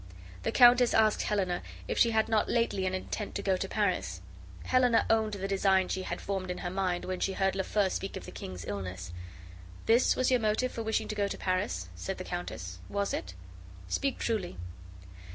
The countess asked Helena if she had not lately an intent to go to Paris. Helena owned the design she had formed in her mind when she heard Lafeu speak of the king's illness. "This was your motive for wishing to go to Paris," said the countess, "was it? Speak truly."